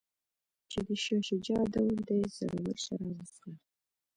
چې د شاه شجاع دور دی زړور شراب وڅښه.